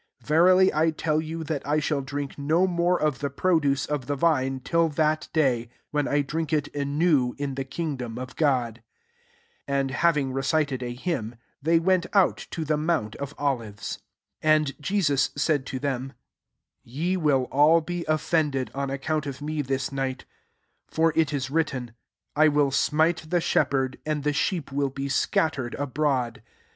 25 Verily I tell you, that I shall drink no more of '^e produce of die Tine, till diat day, when I dffiak it anew in the kingdom of God.'* 26 Avu having recited a hyrnn^ they went out to the me mount of Olives. 2r And Jesus sidd to them, «Ye will all be offended fan a€€OMnt <if me thU night i\ lor it IB written, *I will smite the shepherd, and the sheep will be scattered abroad.'